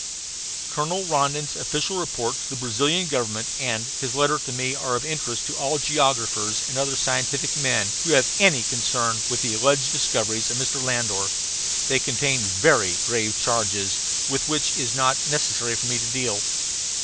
Colonel Rondon's official report to the Brazilian Government and his letter to me are of interest to all geographers and other scientific men who have any concern with the alleged discoveries of Mr. Landor. They contain very grave charges, with which it is not necessary for me to deal.